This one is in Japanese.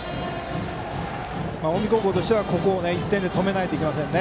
近江高校としてはここを１点で止めないといけないですね。